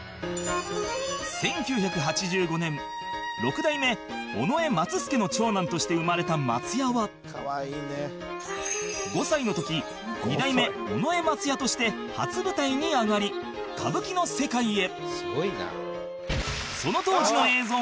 １９８５年６代目尾上松助の長男として生まれた松也は５歳の時２代目尾上松也として初舞台に上がり歌舞伎の世界へ